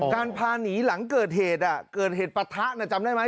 การพาหนีหลังเกิดเหตุเกิดเหตุปะทะจำได้ไหม